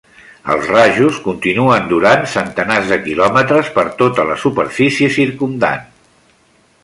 Els rajos continuen durant centenars de quilòmetres per tota la superfície circumdant.